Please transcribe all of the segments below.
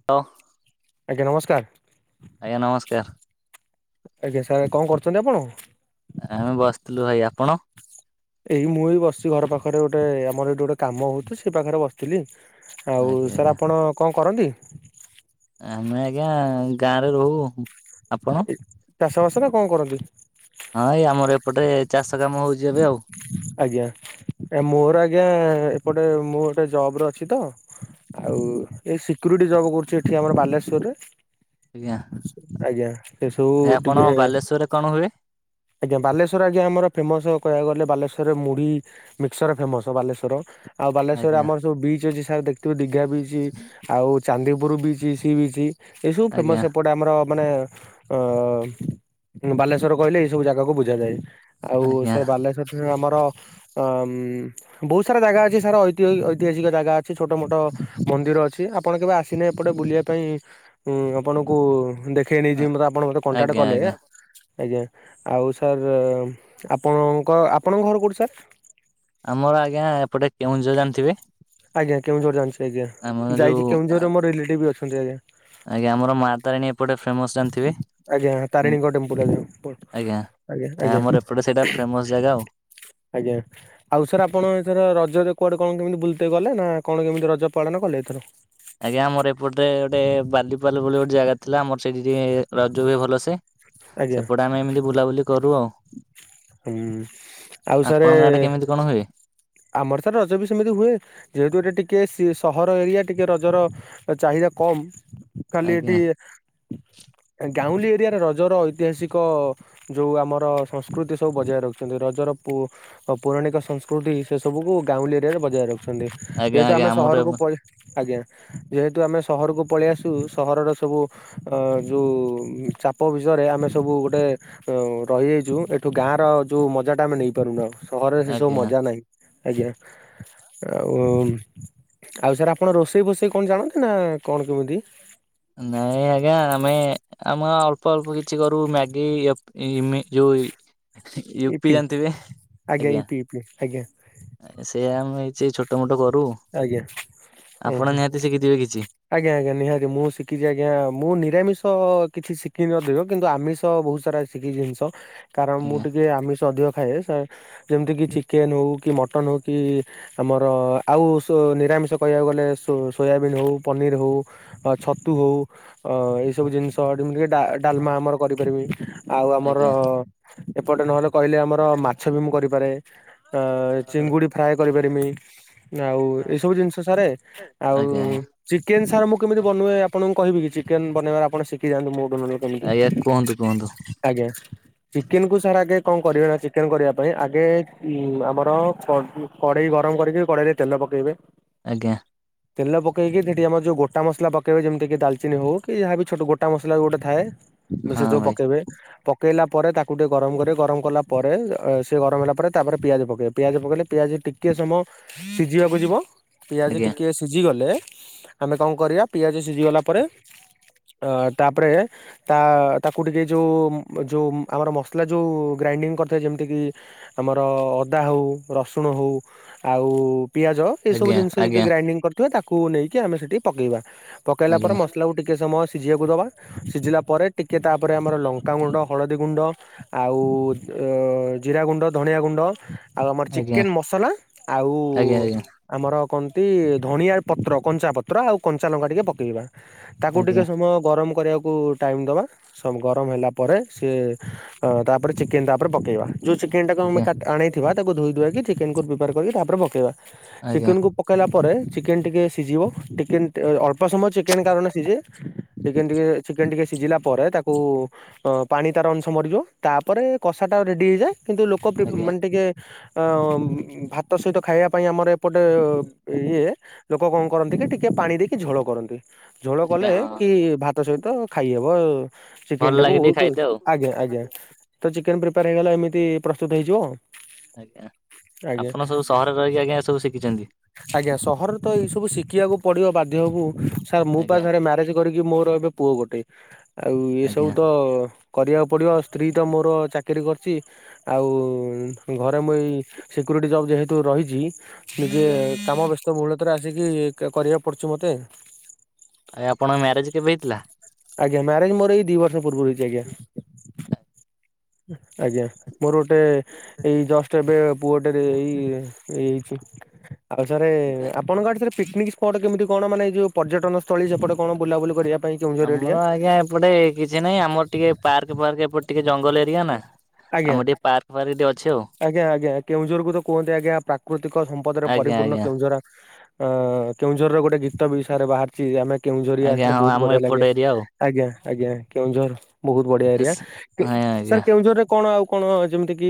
[unintelligible] ଆଜ୍ଞା ନମସ୍କାର୍। ଆଜ୍ଞା ନମସ୍କାର୍। ଆଜ୍ଞା ସାର୍ କଣ କରୁଚନ୍ତି ଆପଣ? ଆମେ ବସିଥିଲୁ ଭାଇ ଆପଣ। ଏଇ ମୁଁ ଏଇ ବସିଚି ଘର ପାଖରେ ଗୋଟେ ଆମର ଏଇଠି ଗୋଟେ କାମ ହଉଚି ସେଇ ପାଖରେ ବସିଥିଲି। ଆଉ ଆଜ୍ଞା ସାର୍ ଆଜ୍ଞା ଆପଣ କଣ କରନ୍ତି? ଆମେ ଆଜ୍ଞା ଗାଁରେ ରହୁ। ଆପଣ ଏ ଚାଷ ବାସ ନା କଣ କରନ୍ତି? ହଁ ଏଇ ଆମର ଏପଟେ ଚାଷ କାମ ହଉଛି ଏବେ ଆଉ। ଆଜ୍ଞା! ମୋର ଆଜ୍ଞା! ଏପଟେ ମୁଁ ଗୋଟେ ଜବରେ ଅଛି ତ। ଆଉ ଏଇ ସିକ୍ୟୁରିଟି ଯବ କରୁଛି। ଏଠି ଆମର ବାଲେଶ୍ଵରରେ। ଆଜ୍ଞା। ଆଜ୍ଞା! ସେ ସବୁ ଟିକେ। ସେଥିରେ କଣ ହୁଏ? ଆଜ୍ଞା! ବାଲେଶ୍ୱର ଆଜ୍ଞା! ଆମର ଫେମସ। କହିବାକୁ ଗଲେ ବାଲେଶ୍ୱରରେ ମୁଢି ମିକ୍ସଚର ଫେମସ ବାଲେଶ୍ୱର। [inaudible] ଆଉ ବାଲେଶ୍ଵରରେ ଆଜ୍ଞା ଆମର ସବୁ ବିଚ୍ ଅଛି ସାର୍ ଦେଖିବେ ଦିଘା ବିଚ୍। ଆଉ ଚାନ୍ଦିପୁର ବିଚ ସି ବିଚ ଏସବୁ ଫେମସ ଆଜ୍ଞା ଏପଟେ ଗୋଟେ ଆମର ମାନେ [inaudible] ଅ ଅ [inaudible] ବାଲେଶ୍ଵର କହିଲେ ଏଇ ସବୁ ଜାଗାକୁ ବୁଝାଯାଏ। ଆଉ ଆଜ୍ଞା। ସେ ବାଲେଶ୍ଵର ସାଇଟରେ ଆମର [inaudible] ଆ ମୁ ବହୁତ ସାରା ଜାଗା ଅଛି। ସାର୍ ଐତିହ ଐତିହାସିକ ଜାଗା ଅଛି। ଛୋଟ ମୋଟ ମନ୍ଦିର ଅଛି। ଆପଣ କେବେ ଆସିଲେ ଏପଟେ ବୁଲିବାକୁ ସେଇଥିପାଇଁ ଉଁ ଆପଣଙ୍କୁ ଦେଖେଇ ନେଇଯିବି। ମତେ ଆପଣ ମତେ କଣ୍ଟାକ୍ଟ ଆଜ୍ଞା କଲେ ଆଜ୍ଞା [inaudible] ଆଜ୍ଞା!। ଆଉ ସାର୍ [inaudible] ଆପଣଙ୍କ ଆପଣଙ୍କ ଘର କୋଉଠି ସାର୍? ଆମର ଆଜ୍ଞା! ଏପଟେ କେଉଁଝର ଜାଣିଥିବେ? ଆଜ୍ଞ! କେଉଁଝର ଜାଣିଛି ଆଜ୍ଞା!। ଆମର ଯୋଉ ଯାଇଛି କେଉଁଝରରେ ମୋର ରିଲେଟିଭ ବି ଅଛନ୍ତି ଆଜ୍ଞା!। ଆଜ୍ଞା! ଆମର ମା ତାରିଣୀ ଏପଟେ ଫେମସ ଜାଣିଥିବେ? ଆଜ୍ଞା! ତାରିଣୀଙ୍କ ଟେମ୍ପୁଲ ଆଜ୍ଞା!, [inaudible] ଆଜ୍ଞା! ଆମର ଏପଟେ ସେଇଟା ଆଜ୍ଞା!। ଫେମସ ଜାଗା ଆଉ। [inaudible] ଆଜ୍ଞା!। ଆଉ ସାର୍ ଆପଣ ଏଥର ରଜରେ କୁଆଡେ କଣ କେମିତି ବୁଲତେଇ ଗଲେ? ନା କଣ କେମିତି ରଜ ପାଳନ କଲେ ଏଥର। ଆଜ୍ଞା! ଆମର ଏପଟେ ଗୋଟେ ବାଦିପାଲ ବୋଲି ଗୋଟେ ଜାଗା ଥିଲା, ଆମର ସେଇଠି ଟିକ ରଜ ହୁଏ ଭଲ ସେ [inaudible] ଆଜ୍ଞା ସେପଟେ ଆମେ ଏମିତି ବୁଲାବୁଲି କରୁ ଆଉ। [inaudible] ଆଉ ସାରେ। ଆପଣଙ୍କ ଆଡେ କେମିତି କଣ ହୁଏ? ଆମର ସାର୍ ରଜ ବି ସେମିତି ହୁଏ। [inaudible] ଯେହେତୁ ଏ ଟିକେ ସହର ଏରିଆ ଟିକେ ରଜର ଚାହିଦା କମ୍। ଖାଲି ଆଜ୍ଞା ଏଠି ଗାଉଁଲି ଏରିଆରେ ରଜର ଐତିହାସିକ ଯୋଉ ଆମର ସଂସ୍କୃତି ସବୁ ବଜାୟ ରଖିଛନ୍ତି। ରଜର ପୁ ପୌରାଣିକ ସଂସ୍କୃତି ସେ ସବୁକୁ ଗାଉଁଲି ଏରିଆରେ ବଜାୟ ରଖୁଛନ୍ତି। ଆଜ୍ଞା ଯେହେତୁ ଆଜ୍ଞା ଆମେ ଆମର ସହରକୁ ପ [inaudible] ଆଜ୍ଞା!। ଯେହେତୁ ଆମେ ସହରକୁ ପଳେଇ ଆସୁ। ସହରର ସବୁ ଆ ଯୋଉ ଚାପ ବିଷୟରେ ଆମେ ସବୁ ଗୋଟେ ଅ ରହିଯାଇଛୁ ଏଠୁ ଗାଁର ଯୋଉ ମଜା ଟା ଆମେ ନେଇପାରୁନୁ ଆଉ। ସହରରେ ସେ ସବୁ ଆଜ୍ଞା। ମଜା ନାହିଁ। ଆଜ୍ଞା। ଆଉ [inaudible] ଆଉ ସାର୍ ଆପଣ ରୋଷେଇ ଫୋଷେଇ କଣ ଜାଣନ୍ତି ନା କଣ କେମିତି? ନାଇଁ ଆଜ୍ଞା। ଆମେ ଆମେ ଅଳ୍ପ ଅଳ୍ପ କିଛି କରୁ ମ୍ୟାଗି ଇଏ ମେ ଯୋଉ ଇଏ ୟୁପି ଇପି ଜାଣିଥିବେ [inaudible] ଆଜ୍ଞା। ଆଜ୍ଞା। ସେୟା ଆମେ ଏଛି ଛୋଟ ମୋଟ କରୁ। ଆଜ୍ଞା [inaudible] ଓହୋ। ଆପଣ ନିହାତି ଶିଖିଥିବେ କିଛି। ଆଜ୍ଞା, ଆଜ୍ଞା। ନିହାତି ମୁଁ ଶିଖିଛି ଆଜ୍ଞା!। ମୁଁ ନିରାମିଷ କିଛି ଶିଖିନ ଥିବ। କିନ୍ତୁ ଆମିଷ ବହୁତ ସାରା ଜିନିଷ। କାରଣ ମୁଁ ଆଜ୍ଞା ଟିକେ ଆମିଷ ଅଧିକ ଖାଏ। ଯେମିତି କି ଚିକେନ୍ ହଉ, କି ମଟନ୍ ହଉ। କି, ଆମର ଆଉ ସୁ ନିରାମିଷ କହିବାକୁ ଗଲେ ସୋୟାବିନ୍ ହଉ ପନିର୍ ହଉ, ଛତୁ ହଉ। ଓ ଏଇ ସବୁ ଜିନିଷ ଯେମିତିକି ଡ଼ା ଡାଲମା ଆମର କରିପାରିବି। ଆଉ ଆମର ଆଜ୍ଞା ଏପଟେ ନହେଲେ କହିଲେ ଆମର ମାଛ ବି ମୁଁ କରିପାରେ। ଅ ଚିଙ୍ଗୁଡ଼ି ଫ୍ରାଏ କରିପାରି ମି। ଆଉ ଏଇସବୁ ଜିନିଷ ସାରେ ଆଉ ଆଜ୍ଞା ଆଜ୍ଞା। ଚିକେନ୍ ସାର୍ ମୁଁ କେମିତି ବନୁଏ ଆପଣଙ୍କୁ କହିବି କି ଚିକେନ୍ ବନେଇବା ଆପଣ ସିକିଯାନ୍ତୁ ମୋ ଠୁ ନହେଲେ। କେମିତି। ଆଜ୍ଞା କୁହନ୍ତୁ କୁହନ୍ତୁ ଆଜ୍ଞା। ଚିକେନ୍ କୁ ସାର୍ ଆଗେ କଣ କରିବେ ନା ଚିକେନ୍ କରିବା ପାଇଁ ଆଗେ ଆମର କଡ଼େଇ ଗରମ କରିକି କଡ଼େଇରେ ତେଲ ପକେଇବେ ଆଜ୍ଞା। ତେଲ ପକେଇକି ଦେ ଆମର ଯୋଉ ଗୋଟା ମସଲା ପକେଇବେ ଯେମିତି କି ଡାଲଚିନ୍ ହଉ କି ଯାହାବି ଛୋ ଗୋଟା ମସଲା ଗୋଟେ ଥାଏ ହଁ ସେ ସବୁ ଭାଇ ପକେଇବେ। ପକେଇଲା ପରେ ତାକୁ ଟିକେ ଗରମ୍ କରିବେ ଗରମ କଲା ପରେ ସିଏ ଗରମ ହେଲା ପରେ ତାପରେ ପିଆଜ ପକେଇବେ ପିଆଜ ପକେଇଲେ ପିଆଜ ଟିକେ ସମୟ ସିଝିଆକୁ ଯିବ ପିଆଜ ଆଜ୍ଞା ଟିକିଏ ସିଝିଗଲେ ଆମେ କଣ କରିଆ ପିଆଜ ସିଝିଗଲା ପରେ ଅ ତାପରେ ତା ତାକୁ ଟିକେ ଯୋଉ ଯୋଉ ଆମର ମସଲା ଯୋଉ ଗ୍ରାଇଣ୍ଡିଙ୍ଗ୍ କରିଥିବା ଯେମିତିକି ଆମର ଅଦା ହଉ ରସୁଣ ହଉ ଆଉ ପିଆଜ ଏଇସବୁ ଆଜ୍ଞା ଜିନିଷ ଯଦି ଆଜ୍ଞା। ଗ୍ରାଇଣ୍ଡିଙ୍ଗ୍ କରିଥିବା ତାକୁ ନେଇକି ଆମେ ସେଠି ପକେଇବା। ପକେଇଲା ପରେ ଆଜ୍ଞା ମସଲାକୁ ଟିକିଏ ସମୟ ସିଝିବାକୁ ଦବା ସିଝିଲା ପରେ ଟିକେ ତାପରେ ଆମର ଲଙ୍କାଗୁଣ୍ଡ ହଳଦୀ ଗୁଣ୍ଡ ଆଉ ଅ ଜିରା ଗୁଣ୍ଡ ଧଣିଆ ଗୁଣ୍ଡ ଆଉ ଆମର ଆଜ୍ଞା ଚିକେନ୍ ମସଲା ଆଉ ଆଜ୍ଞା ଆମର କନ୍ତି ଧଣିଆ ପତ୍ର କଞ୍ଚାପତ୍ର ଆଉ କଞ୍ଚା ଲଙ୍କା ଟିକେ ପକେଇବା ତାକୁ ଆଜ୍ଞା ଟିକେ ଆଜ୍ଞା ସମୟ ଗରମ କରିଆକୁ ଟାଇମ୍ ଦବା ସବୁ ଗରମ ହେଲାପରେ ସିଏ ତାପରେ ଚିକେନ୍ ତାଉପରେ ପକେଇବା। ଯୋଉ ଚିକେନ୍ ଟାକୁ ଆମେ ଆଣେଇଥିବା ତାକୁ ଧୋଇ ଧୁଆକି ଚିକେନ୍ କୁ ପ୍ରିପାର କରିକି ତାପରେ ପକେଇବା ଆଜ୍ଞା ଚିକେନ୍ ଆଜ୍ଞା କୁ ପକେଇଲା ପରେ ଚିକେନ୍ ଟିକେ ସିଝିବ ଟିକେନ୍ ଅଳ୍ପ ସମୟ ଚିକେନ୍ କାରଣ ସିଝେ ଚିକେନ୍ ଟିକେ ଚିକେନ୍ ଟିକେ ସିଝିଲା ପରେ ତାକୁ ପାଣି ତାର ଅଂଶ ମରିଯିବ ତାପରେ କଷାଟା ରେଡ଼ି ହେଇଯାଏ। କିନ୍ତୁ ଲୋକ ଆଜ୍ଞା ମାନେ ଟିକେ ଭାତ ସହିତ ଖାଇବା ପାଇଁ ଆମର ପଟେ ଅ ଇଏ ଲୋକ କଣ କରନ୍ତି କି ଟିକେ ପାଣି ଦେଇକି ଝୋଳ କରନ୍ତି ଝୋଳ ଆଜ୍ଞା କଲେ ହଁ କି ଭାତ ସହିତ ଖାଇହବ। ଚିକେନ ଭଲ ଟାକୁ ଲାଗେ ଟିକେ ବହୁତୁ ଖାଇତେ ଆଉ ଆଜ୍ଞା ଆଜ୍ଞା ତ ଚିକେନ୍ ପ୍ରିପାର୍ ହେଇଗଲା ଏମିତି ପ୍ରସ୍ତୁତ ହେଇଯିବ ଉ। ଆଜ୍ଞା ଆପଣ ସବୁ ସହରରେ ରହିକି ଆଜ୍ଞା ଏ ସବୁ ଶିଖିଛନ୍ତି? ଆଜ୍ଞା ସହରରେ ତ ଏଇ ସବୁ ଶିଖିବାକୁ ପଡିବ ବାଧ୍ୟକୁ। ସାର୍ ମୁ ପା ଆଜ୍ଞା ସାଡେ ମ୍ୟାରେଜ୍ କରିକି ମୋର ଏବେ ପୁଅ ଗୋଟେ ଆଉ ଏ ସବୁ ଆଜ୍ଞା ତ କରିବାକୁ ପଡ଼ିବ ସ୍ତ୍ରୀ ତ ମୋର ଚାକିରିୀ କରିଚି। ଆଉ ଘରେ ମୁଁଇ ସିକ୍ୟୁରିଟି ଜବ୍ ଯେହେତୁ ରହିଚି ନିଜେ ଆଜ୍ଞା କାମ ବ୍ୟସ୍ତ ବହୁଳତାରେ ଆସିକି କରିବାକୁ ପଡୁଛି ମତେ। ଆଜ୍ଞା ଆପଣଙ୍କ ମ୍ୟାରେଜ୍ କେବେ ହେଇଥିଲା? ଆଜ୍ଞା ମ୍ୟାରେଜ୍ ମୋର ଏଇ ଦି ବର୍ଷ ପୂର୍ବରୁ ହେଇଛି ଆଜ୍ଞା। ଆଜ୍ଞା ମୋର ଗୋଟେ ଏଇ ଜଷ୍ଟ ଏବେ ପୁଅ ଟେରେ ଏଇ ଏଇ ହେଇଛି। ଆଉ ସାରେ ଆପଣଙ୍କ ଆଡେ ପିକ୍ ନିକ୍ ସ୍ପଟ କେମିତି କଣ ମାନେ ଏଯୋଉ ପର୍ଯ୍ୟଟନ ସ୍ଥଳୀ ସେପଟେ କଣ ବୁଲାବୁଲି କରିବା ପାଇଁ କେଉଁଝର ଏରିଆ ଆମର ଆଜ୍ଞା ଏପଟେ କିଛି ନାହିଁ ଆମର ଟିକେ ପାର୍କ ଯୋ ପାର୍କ ଏପଟେ ଟିକେ ଜଙ୍ଗଲ୍ ଏରିଆ ନା ଆଜ୍ଞା ଆମ ଟିକେ ପାର୍କ ଫାର୍କ ଟେ ଅଛି ଆଉ। ଆଜ୍ଞା ଆଜ୍ଞା କେଉଁଝର୍ କୁ ତ କୁହନ୍ତି ଆଜ୍ଞା ପ୍ରାକୃତିକ ସମ୍ପଦରେ ଆଜ୍ଞା ପରିପୂର୍ଣ୍ଣ ଆଜ୍ଞା କେଉଁଝରା। ଅଁ କେଉଁଝର୍ ରେ ଗୋଟେ ଗୀତ ବି ସାରେ ବାହାରିଚି ଆମେ କେଉଁଝରିଆ ଆଜ୍ଞା ସେଇଟା ହଁ ବହୁତୁ ଆମ ବଢିଆ ଏପଟ ଲାଗେ। ଏରିଆ ଆଉ। ଆଜ୍ଞା ଆଜ୍ଞା କେଉଁଝର୍ ବହୁତୁ ବଢିଆ ଏରିଆ କେ ହଁ ସାର୍ ଆଜ୍ଞା କେଉଁଝର୍ ରେ କଣ ଆଉ କଣ ଯେମିତି କି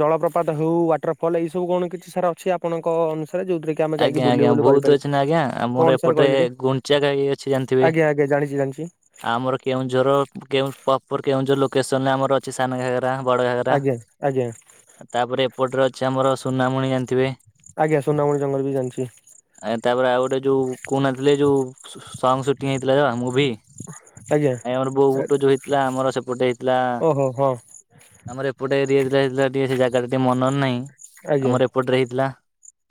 ଜଳପ୍ରପାତ ହଉ ୱାଟର ଫଲ୍ ଏଇ ସବୁ କଣ କିଛି ସାରା ଅଛି ଆପଣଙ୍କ ଅନୁସାରେ ଯୋଉଥିରେ କି ଆମେ ଯାଇକି ଆଜ୍ଞା ବୁଲି ଆଜ୍ଞା ବୁଲି ବହୁତ୍ କରିପାରିବୁ। ଅଛି ନା ଆଜ୍ଞା କଣ ଆମର ସାର୍ ଏପଟେ କହିଲେ ଟିକେ ଗୁଣ୍ଡିଚା ଖାଇ ଅଛି ଜାଣିଥିବେ? ଆଜ୍ଞା ଆଜ୍ଞା ଜାଣିଛି ଜାଣିଛି ଆମର କେଉଁଝର କେଉଁ ପ୍ରପର୍ କେଉଁଝର୍ ଲୋକେସନରେ ଆମର ଅଛି ସାନ ଘାଗେରା ବଡ଼ ଘାଗେରା ଆଜ୍ଞା ଆଜ୍ଞା ତାପରେ ଏପଟରେ ଅଛି ଆମର ସୁନାମୁଣି ଜାଣିଥିବେ? ଆଜ୍ଞା ସୁନାମଣି ଜଙ୍ଗଲ୍ ବି ଜାଣିଚି। ଆୟାଁ ତାପରେ ଆଉ ଗୋଟେ ଯୋଉ କହୁନାଥିଲି ଯୋଉ ସୁ ସଙ୍ଗ ସୁଟିଂ ହେଇଥିଲା ଜା ମୁଭି ଆଜ୍ଞା। ଆ ଆମର ବୋଉ ବୁଟ ଯୋଉ ହେଇଥିଲା ଆମର ସେପଟେ ହେଇଥିଲା। ଓହୋ ହଁ ଆମର ଏପଟେ ଏରିଆ [unintelligible] ଟିକେ ସେ ଜାଗା ଟା ଟିକେ ମନର୍ ନାହିଁ। ଆଜ୍ଞା ଆମର ଏପଟରେ ହେଇଥିଲା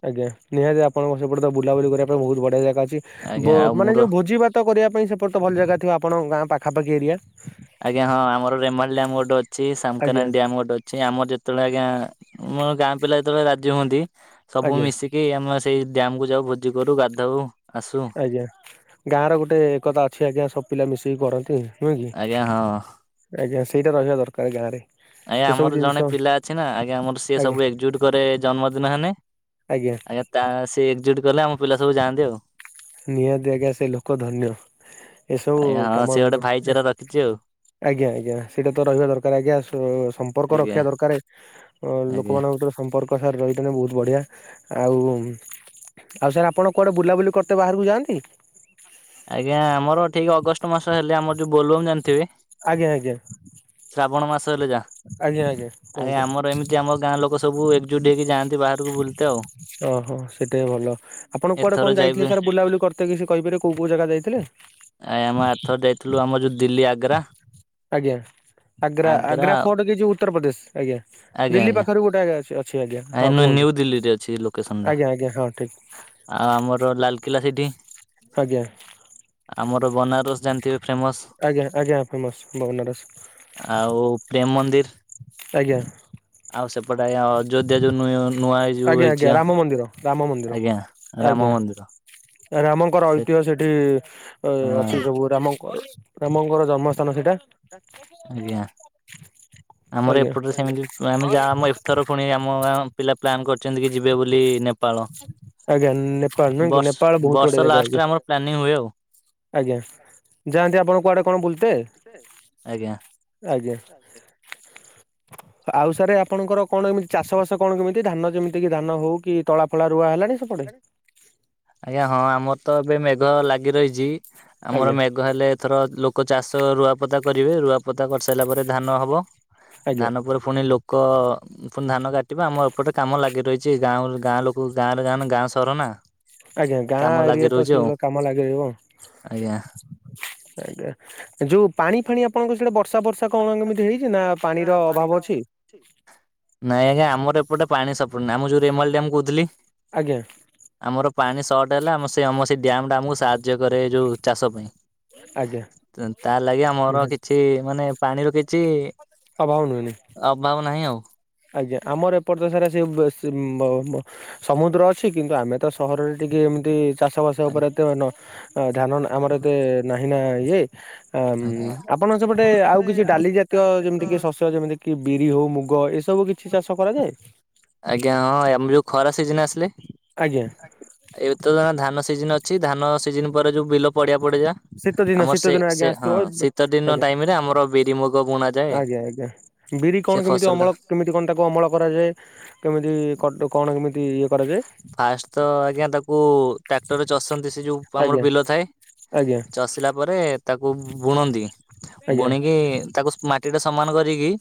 ଆଜ୍ଞା ନିହାତି ଆପଣଙ୍କ ସେପଟେ ତ ବୁଲାବୁଲି କରିବା ପାଇଁ ବହୁତୁ ବଢିଆ ଜାଗା ଅଛି। ଆଜ୍ଞା ଆଉ ବମାନେ ମୋର ଯେଉଁ ଭୋଜିଭାତ କରିବା ପାଇଁ ସେପଟ ତ ଭଲ ଜାଗା ଥିବ ଆପଣଙ୍କ ଗାଁ ପାଖାପାଖି ଏରିଆ। ଆଜ୍ଞା ହଁ ଆମ ରେମାଲ୍ ଡ୍ୟାମ୍ ଗୋଟେ ଅଛି ସାମ୍କାନେ ଆଜ୍ଞା ଇଣ୍ଡିଆ ଗୋଟେ ଅଛି ଆମର୍ ଜେ ତଳେ ଆଜ୍ଞା ଆମ ଗାଁ ପିଲା ଯେତେବେଳେ ରାଜି ହୁଅନ୍ତି ସବୁ ଆଜ୍ଞା ମିଶିକି ଆମ ସେଇ ଡ୍ୟାମ କୁ ଯାଉ ଭୋଜି କରୁ ଗାଧଉ ଆସୁ। ଆଜ୍ଞା ଗାଁ ର ଗୋଟେ ଏକତା ଅଛି ଆଜ୍ଞା ସବ୍ ପିଲା ମିଶିକି କରନ୍ତି ନୁହେଁ ଆଜ୍ଞା କି? ହଁ ଆଜ୍ଞା ସେଇଟା ରହିବା ଦରକାର ଗାଁ ରେ। ଆଜ୍ଞା ଆମର ଜଣେ ପିଲା ଅଛି ନା ଆଜ୍ଞା ଆମର ସିଏ ଆଜ୍ଞା ସବୁ ଏକଜୁଟ କରେ ଜନ୍ମଦିନ ହେନେ। ଆଜ୍ଞା। ଆଜ୍ଞା ତା ସେ ଏକ୍ଜୁଟ୍ କଲେ ଆମ ପିଲା ସବୁ ଯାଆନ୍ତି ଆଉ। ନିହାତି ଆଜ୍ଞା ସେ ଲୋକ ଧନ୍ୟ ଏସବୁ ଆଜ୍ଞା ହଁ ସେ କାମ ଗୋଟେ ଭାଇଚାରା ରଖିଛି ଆଉ ଆଜ୍ଞା ଆଜ୍ଞା ସେଇଟା ତ ରହିବା ଦରକାର ଆଜ୍ଞା ସୋ ସମ୍ପର୍କ ଆଜ୍ଞା ରଖିବା ଦରକାରେ ଅ ଆଜ୍ଞା। ଲୋକମାନଙ୍କ ଭିତରେ ସମ୍ପର୍ ହଁ ସାରେ ରହିଥିନେ ବହୁତ୍ ବଢିଆ ଆଉ ଆଉ ସାରେ ଆପଣ କୁଆଡେ ବୁଲାବୁଲି କ ତ ବାହାରକୁ ଯାଆନ୍ତି? ଆଜ୍ଞା ଆମର ଠିକି ଅଗଷ୍ଟ ମାସ ହେଲେ ଆମର ଯୋଉ ବୋଲବମ୍ ଜାଣ୍ଥିବେ? ଆଜ୍ଞା ଆଜ୍ଞା‌। ଶ୍ରାବଣ ମାସ ହେଲେ ଯା। ଆଜ୍ଞା ଆଜ୍ଞା। ଆଜ୍ଞା କୁହନ୍ତୁ ଆମର ଏମିତି ଆମର ଗାଁ ଲୋକ ସବୁ ଏକଜୁଟ ହେଇକି ଯାଆନ୍ତି ବାହାରକୁ ବୁଲେତେ ଆଉ। ଓହୋ ସେଇଟା ଭଲ ଆପଣ କୁଆଡେ ଏଥର କଣ ଯାଇଥିଲେ ଯାଇବେ ସାର୍ ବୁଲାବୁଲି କରି ମତେ କିଛି କହିପାରେ କୋଉ କୋଉ ଜାଗା ଯାଇଥିଲେ? ଆ ଆମ ଆରଥର ଯାଇଥିଲୁ ଆମର ଯୋଉ ଦିଲ୍ଲୀ ଆଗ୍ରା। ଆଜ୍ଞା ଆଗ୍ରା ଆଗ୍ରା ଫୋର୍ଟ କିଛି ଉତ୍ତରପ୍ରଦେଶ ଆଜ୍ଞା ଆଜ୍ଞା ଦିଲ୍ଲୀ ଆଜ୍ଞା ପାଖରୁ ଗୋ ଆଜ୍ଞା ଅଛି ଅଛି ଆଜ୍ଞା ହଁ ନ୍ୟୁ କୁହନ୍ତୁ ଦିଲ୍ଲୀରେ ଅଛି ଆଜ୍ଞା ଆଜ୍ଞା ହଁ ଠିକି। ଆ ଆମର ଲାଲକିଲ୍ଲା ସେଠି। ଆଜ୍ଞା। ଆମର ବନାରସ ଜାଣିଥିବେ? ଫେମସ। ଆଜ୍ଞା ଆଜ୍ଞା ଫେମସ ବନାରସ। ଆଉ ପ୍ରେମ ମନ୍ଦିରି। ଆଜ୍ଞା। ଆଉ ସେପଟେ ଆଜ୍ଞା ଅଯୋଧ୍ୟା ଯୋଉ ନୂଆ - ନୂଆ ଏଇ ଯୋଉ ଆଜ୍ଞା ଆଜ୍ଞା ହେଇଛି ଆଁ। ରାମ ମନ୍ଦିର ରାମ ମନ୍ଦିର ଆଜ୍ଞା। ମନ୍ଦିର ରାମଙ୍କର ସେ ଐତିହ୍ୟ ସେଠି ଏ ଅଛି ହଁ ସବୁ ରାମ ଙ୍କ ରାମଙ୍କର ଜନ୍ମ‌ ସ୍ତ ଆଜ୍ଞା। ଆମର ଆଜ୍ଞା ଏପଟରେ ସେମିତି ଆମେ ଯାହା ଆମ ଏଥର ପୁଣି ଆମ ଗାଁ ପିଲା ପ୍ଲାନ୍ କରିଛନ୍ତି କି ଯିବେ ବୋଲି ନେପ ଆଜ୍ଞା ନେପାଳ ନାଇଁ କି ବର୍ଷ ନେପାଳ ବହୁତ ବର୍ଷ ଡଢିଆ ଜାଗା ଲାଷ୍ଟରେ ଆଜ୍ଞା। ଆମର ପ୍ଲାନିଂ ହୁଏ ଆଉ ଆଜ୍ଞା ଯାଆନ୍ତି ଆପଣ କୁଆଡେ। ଆପଣ ବୁଲିତେ। ଆଜ୍ଞା। ଆଜ୍ଞା। ଆଉ ସରେ ଆପଣଙ୍କର କଣ ଏମିତି ଚାଷ ବାସ କଣ କେମିତି ଧାନ ଯେମିତି କି ଧାନ ହଉ କି ତଳା ଫଳା ରୁଆ ହେଲାଣି ସେପଟେ ଆଜ୍ଞା ହଁ ଆମର ତ ଏବେ ମେଘ ଲାଗି ରହିଛି ଆମର ଆଜ୍ଞା ମେଘ୍ ଘ ହେଲେ ଥର ଲୋକ ଚାଷ ରୁଆ ପୋତା କରିବେ ରୁଆ ପୋତା କରିସାରିଲା ପରେ ଧାନ ହବ। ଆଜ୍ଞା ଧାନ ପରେ। ପୁଣି ଲୋକ ପୁଣି ଧାନ କାଟିବା ଆମ ଏପଟେ କାମ ଲାଗି ରହିଛି ଗାଁ ଉଁ ଗାଁ ଲୋକ। କୋଉ ଗାଁରେ ଗାଁ ନା ଗାଁ ସହର ନା। ଆଜ୍ଞା ଗାଁ କାମ ଲାଗି ଏରିଆ ତ ରହୁଛି ଆଉ ସେଇ କାମ ଲାଗି ରହିବ। ଆଜ୍ଞା। ଆଜ୍ଞା ଯୋଉ ପାଣି ଫାଣି ଆପଣଙ୍କ ସିଆଡେ ବର୍ଷା ବର୍ଷି‌। ନାଁ କଁ କେମିତି ହେଇଛି ନା ପାଣିର ଅଭାବ ଅଛି। ନାଇଁ ଆଜ୍ଞା ଆମର ଏପଟେ ପାଣି ସଟ ପଡେନି ଆମ ଯୋଉ ରେମାଲି ଡାମ କହୁଥିଲି। ଆଜ୍ଞା। ଆମର ପାଣି ସଟ୍ ହେଲେ ଆମ ସେଇ ଆମ ସେଇ ଡ୍ୟାମ ଟା ଆମକୁ ସାହାଯ୍ୟ କରେ ଏ ଯୋଉ ଚାଷ ପାଇଁ। ଆଜ୍ଞା ତ ତା ଲାଗି ଆମର ନିହାତି କିଛି ମାନେ ପାଣିର କିଛି। ଅଭାବ ନୁଏନି। ଅଭାବ ନାହିଁ ଆଉ। ଆଜ୍ଞା ଆମର ଏପଟେ ତ ସାରା ସିଏ ବେସ ଯୋଉ ମ ମ ସମୁଦ୍ର ଅଛି କିନ୍ତୁ ଆମେ ତ ସହରରେ ଟିକେ ଏମିତି। ଚାଷ ବାସ ଉପରେ ଏତେ ମାନେ ଧ୍ୟାନ ଆମର ଏତେ ନାହିଁ ନା ଇଏ। ଆମ୍ ଆଜ୍ଞା ଆପଣଙ୍କ ସେପଟେ ଆଉ କିଛି ଡାଲି ଜାତୀୟ ଯେମିତି କି ଶସ୍ୟ ଯେମିତି କି ବିରି ହଉ ମୁଗ ଏ ସବୁ କିଛି ଚାଷ କରାଯାଏ। ଆଜ୍ଞା ହଁ ଆମର ଯୋଉ ଖରା ସିଜିନ ଆସିଲେ। ଆଜ୍ଞା। ଏବେ ତ ଜାଣ ଧାନ ସିଜନ ଅଛି ଧାନ ସିଜନ ପରେ ଯୋଉ ବିଲ ପଡିଆ ପଡି ଶୀତ ଯାଏ। ଦିନ ଆମର ଶୀତ ସେ ଦିନ ଆଜ୍ଞା ସେ ହଁ ଆସୁଥିବ ଶୀତ ଆଜ୍ଞା। ଦିନ ଟାଇମ ରେ ଆମର ବିରିମୁଗ ବୁଣା ଯାଏ। ଆଜ୍ଞା ଆଜ୍ଞା ବିରି କଣ କେମିତି ଅମଳ। କେମିତି କଣ ତାକୁ ଅମଳ କରାଯାଏ କେମିତି କଟ୍ କଣ କେମିତି ଇଏ କରାଯାଏ। ଫାଷ୍ଟ ତ ଆଜ୍ଞା ତାକୁ ଟ୍ରାକ୍ଟରରେ ଚଷନ୍ତି ସେ ଯୋଉ ଆମର ଆଜ୍ଞା ବିଲ ଥାଏ। ଆଜ୍ଞା ଚାଷ ଷିଲା ପରେ ତାକୁ ବୁଣନ୍ତି ଆଜ୍ଞା ବୁଣିକି ତାକୁ ମାଟିଟା ସମାନ କରିକି।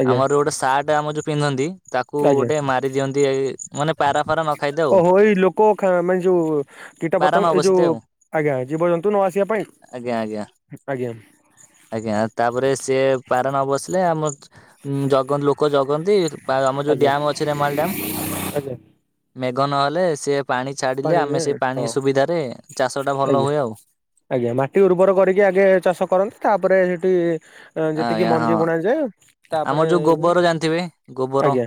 ଆଜ୍ଞା ଆମର ଗୋଟେ ସାର୍ଟ ଆମର ଯୋଉ ପିନ୍ଧନ୍ତି ତାକୁ ଆଜ୍ଞା ଗୋଟେ ମାରି ଦିଅନ୍ତି ଏ ମାନେ। ପାରା ଫାରା ନଖାଇ ଓହୋ ଏଇ ଲୋକଙ୍କ ଖା ମାନେ ଯୋଉ କୀଟା ପାରା ନ ପତଙ୍ଗ ଏଇ ବସିତେ ଯୋଉ। ଆଉ ଆଜ୍ଞା ଜୀବଜନ୍ତୁ ନ ଆସିବା ଆଜ୍ଞା ଆଜ୍ଞା ପାଇଁ ଆଜ୍ଞା। ଆଜ୍ଞା ତାପରେ ସିଏ ପାରା ନ ବସିଲେ ଆମର ଜଗନ୍ତି ଲୋକ ଜଗନ୍ତି। ପାଗ ଆମ ଯୋଉ ଆଜ୍ଞା ଡ୍ୟାମ ଅଛି ରେମାଲ ଡ୍ୟାମ। ଆଜ୍ଞା। ମେଘ ନହେଲେ ସେ ପାଣି ଛାଡ଼ିଲେ ପାଣି ଦିଏ ଆମେ ସେ ହଁ ପାଣି ସୁବିଧାରେ ଚାଷ ଟା ଭଲ ଆଜ୍ଞା ହୁଏ ଆଉ। ଆଜ୍ଞା ମାଟି ଉର୍ବର କରିକି ଆଗେ ଚାଷ କରନ୍ତି। ତାପରେ ସେଠି- ଯେତିକି ଆଜ୍ଞା ହଁ ମଞ୍ଜି ବୁଣା ଯାଏ। ଆମର ତାପରେ ଯୋଉ ଗୋବର ଆଜ୍ଞା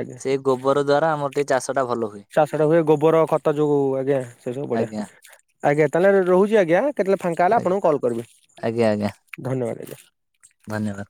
ଆଜ୍ଞା। ସେ ଗୋବର ଦ୍ୱାରା ଆମର ଟିକିଏ ଚାଷଟା ଭଲ ହୁଏ। ଚାଷଟା ହୁଏ ଗୋବର ଖତ ଯୋଉ ଆଜ୍ଞା। ସେ ସବୁ ବଢିଆ। ଆଜ୍ଞା ଆଜ୍ଞା ତାହେଲେ ରହୁଚି ଆଜ୍ଞା। କେତେବେଳେ ଫାଙ୍କା ହେଲେ ଆଜ୍ଞା ଆପଣଙ୍କୁ କଲ୍ କରିବି। ଆଜ୍ଞା ଆଜ୍ଞା ଧନ୍ୟବାଦ ଆଜ୍ଞା। ଧନ୍ୟବାଦ।